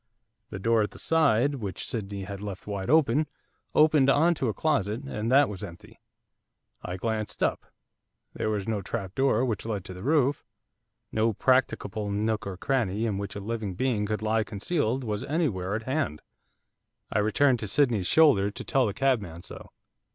The door at the side, which Sydney had left wide open, opened on to a closet, and that was empty. I glanced up, there was no trap door which led to the roof. No practicable nook or cranny, in which a living being could lie concealed, was anywhere at hand. I returned to Sydney's shoulder to tell the cabman so.